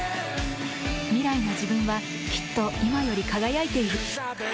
未来の自分はきっと今より輝いている。